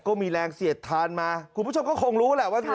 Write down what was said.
ก็มีแรงเสียดทานมาคุณผู้ชมก็คงรู้แหละว่า